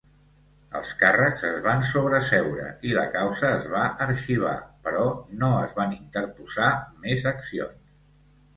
Els càrrecs es van sobreseure i la causa es va arxivar, però no es van interposar més accions.